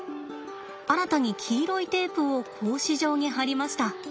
新たに黄色いテープを格子状に貼りました。